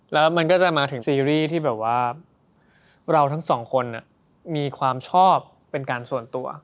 แล้วมันก็จะมาถึงซีรีส์ที่แบบว่าเราทั้งสองคนมีความชอบเป็นการส่วนตัว